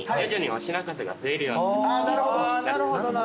なるほど。